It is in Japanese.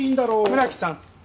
村木さん。